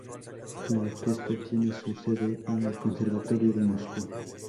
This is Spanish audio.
La orquesta tiene su sede en el Conservatorio de Moscú.